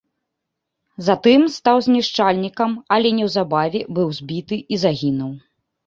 Затым стаў знішчальнікам, але неўзабаве быў збіты і загінуў.